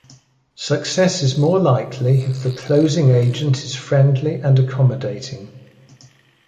Success is more likely if the closing agent is friendly and accommodating.